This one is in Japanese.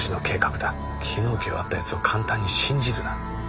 昨日今日会った奴を簡単に信じるな。